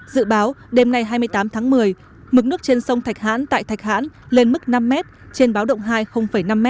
dự báo đêm nay hai mươi tám tháng một mươi mực nước trên sông thạch hãn tại thạch hãn lên mức năm m trên báo động hai năm m